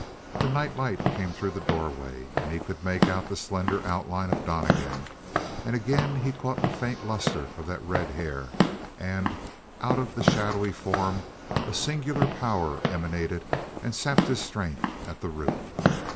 The night light came through the doorway, and he could make out the slender outline of Donnegan and again he caught the faint luster of that red hair; and out of the shadowy form a singular power emanated and sapped his strength at the root.